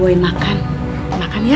mau gue makan makan ya